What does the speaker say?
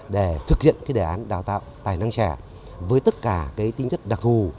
để thực hiện đề án đào tạo tài năng trẻ với tất cả tinh chất đặc thù